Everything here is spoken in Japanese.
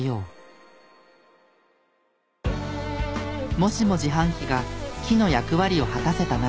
もしも自販機が木の役割を果たせたなら。